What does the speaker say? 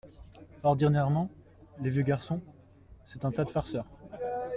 Ordinairement les vieux garçons… c’est un tas de farceurs…